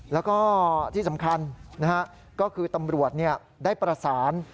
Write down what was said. แล้วก็ที่สำคัญก็คือตำรวจได้ประสาน